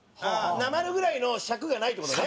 訛るぐらいの尺がないって事ね？